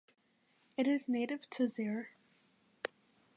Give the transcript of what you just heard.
It is native to Zaire.